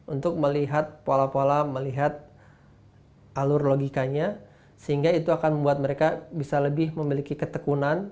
untuk melihat pola pola melihat alur logikanya sehingga itu akan membuat mereka bisa lebih memiliki ketekunan